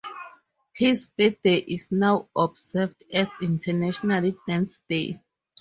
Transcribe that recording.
His birthday is now observed as International Dance Day.